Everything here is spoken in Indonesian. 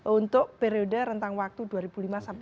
untuk periode rentang waktu dua ribu lima sampai dua ribu dua